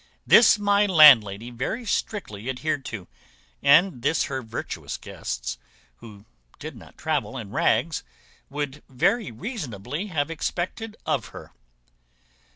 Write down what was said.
This my landlady very strictly adhered to, and this her virtuous guests, who did not travel in rags, would very reasonably have expected of her.